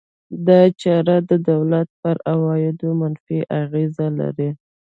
دا چاره د دولت پر عوایدو منفي اغېز لري.